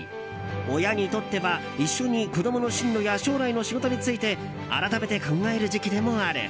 親にとっては一緒に子供の進路や将来の仕事について改めて考える時期でもある。